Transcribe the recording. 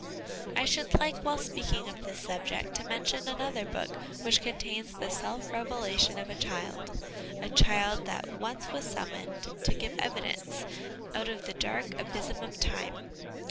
I should like while speaking of this subject to mention another book which contains the self revelation of a child, a child that once was summoned, to give evidence, out of the dark abysm of time.